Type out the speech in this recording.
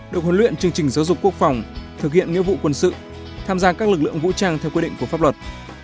được huấn luyện chương trình giáo dục quốc phòng thực hiện nghĩa vụ quân sự tham gia các lực lượng vũ trang theo quy định của pháp luật